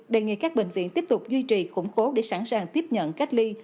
đề nghị các bệnh viện tiếp tục duy trì khủng khố để sẵn sàng tiếp nhận cách ly